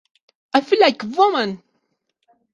I Feel Like a Woman!".